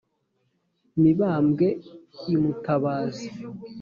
mibambwe i mutabazi